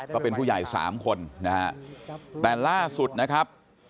ก็เป็นผู้ใหญ่๓คนแต่ล่าสุดนะครับ